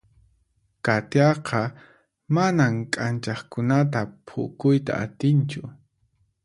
Katiaqa manan k'anchaqkunata phukuyta atinchu.